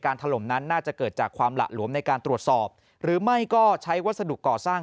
ถล่มนั้นน่าจะเกิดจากความหละหลวมในการตรวจสอบหรือไม่ก็ใช้วัสดุก่อสร้าง